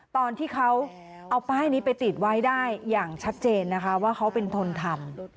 ตอนที่เขาเอาป้ายนี้ไปติดไว้ได้อย่างชัดเจนนะคะว่าเขาเป็นคนทำ